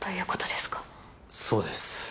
そうです。